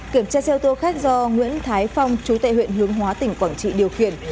kiểm tra xe ô tô khách do nguyễn thái phong chú tệ huyện hướng hóa tỉnh quảng trị điều khiển